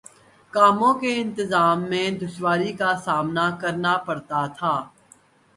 کاموں کے انتظام میں دشواری کا سامنا کرنا پڑتا تھا